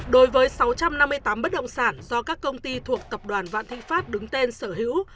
đối với sáu trăm năm mươi tám bất động sản do các công ty thuộc tập đoàn vạn thịnh pháp đứng tên sở hữu